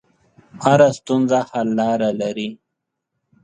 هره ستونزه حل لاره لري.